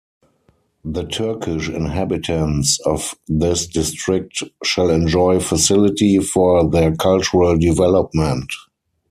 The Turkish inhabitants of this district shall enjoy facility for their cultural development.